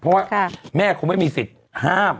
เพราะว่าแม่คงไม่มีสิทธิ์ห้าม